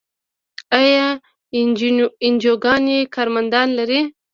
آیا انجیوګانې کارمندان لري؟